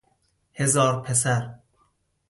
هزار پسر